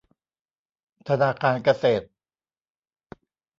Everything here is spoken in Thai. ธนาคารเกษตร